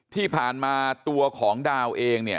ที่ผ่านมาตัวของดาวเองเนี่ย